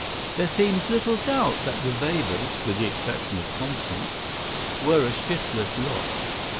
There seems little doubt that the Webers, with the exception of Constance, were a shiftless lot.